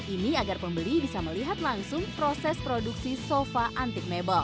ini agar pembeli bisa melihat langsung proses produksi sofa antik mebel